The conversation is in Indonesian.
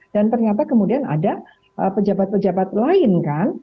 dan ternyata kemudian ada pejabat pejabat lain kan